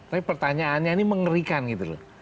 tapi pertanyaannya ini mengerikan gitu loh